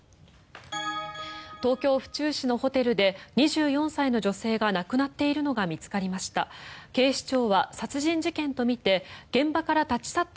東京・府中市のホテルで２４歳の女性が亡くなっているのが見つかりました。